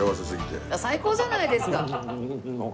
最高じゃないですか！